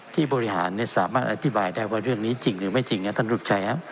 ที่บริหารสามารถอธิบายได้ว่าเรื่องนี้จริงหรือไม่จริงนะท่านลูกชายครับ